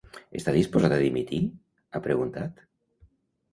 Està disposat a dimitir?, ha preguntat.